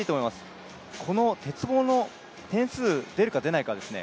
この鉄棒の点数出るか出ないかですね